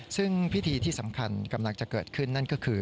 ซึ่งพิธีที่สำคัญกำลังจะเกิดขึ้นนั่นก็คือ